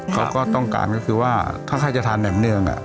เขาก็ต้องการก็คือว่าถ้าใครจะทานแหมเนือง